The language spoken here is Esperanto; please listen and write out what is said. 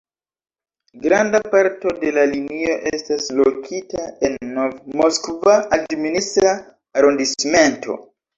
Granda parto de la linio estas lokita en Nov-Moskva administra arondismento.